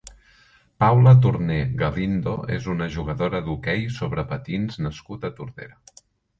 Paula Torner Galindo és una jugadora d'hoquei sobre patins nascuda a Tordera.